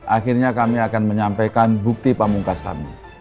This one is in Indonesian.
akhirnya kami akan menyampaikan bukti pamungkas kami